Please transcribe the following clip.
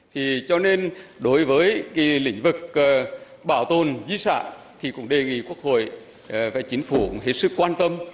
thì cho nên đối với lĩnh vực bảo tồn di sản thì cũng đề nghị quốc hội và chính phủ thấy sự quan tâm